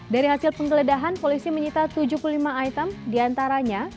dari hasil penggeledahan polisi menyita tujuh puluh lima item diantaranya